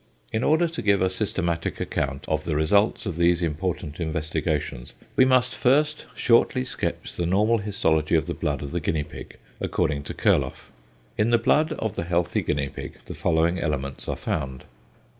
In order to give a systematic account of the results of these important investigations, we must first shortly sketch the normal histology of the blood of the guinea pig according to Kurloff. In the blood of the healthy guinea pig the following elements are found.